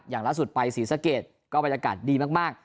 อย่างล่าสุดไปศรีสะเกดก็บรรยากาศดีมาก